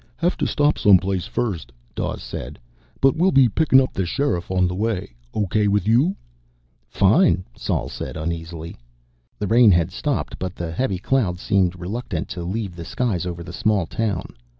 "Have to stop someplace first," Dawes said. "But we'll be pickin' up the Sheriff on the way. Okay with you?" "Fine," Sol said uneasily. The rain had stopped, but the heavy clouds seemed reluctant to leave the skies over the small town.